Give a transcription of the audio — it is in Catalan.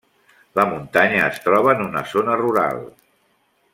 La muntanya es troba en una zona rural.